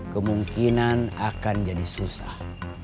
kemungkinan akan jadi susah